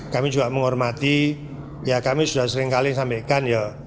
kami juga menghormati ya kami sudah seringkali sampaikan ya